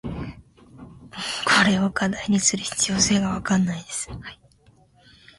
これを課題にする必要性が分からないです。